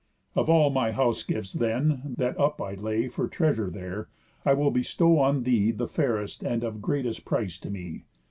Of all my house gifts then, that up I lay For treasure there, I will bestow on thee The fairest, and of greatest price to me.